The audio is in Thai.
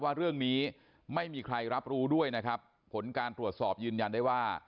ว่าเรื่องนี้ไม่มีใครรับรู้ด้วยนะครับผลการตรวจสอบยืนยันได้ว่า